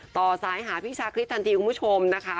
ต่อสายหาพี่ชาคริสทันทีคุณผู้ชมนะคะ